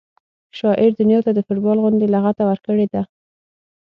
شاعر دنیا ته د فټبال غوندې لغته ورکړې ده